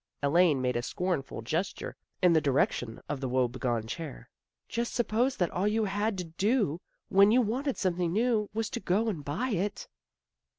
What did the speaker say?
" Elaine made a scornful gesture, in the direc tion of the woe begone chair. " Just suppose that all you had to do when you wanted some thing new was to go and buy it."